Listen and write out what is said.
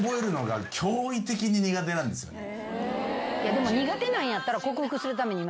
でも苦手なんやったら。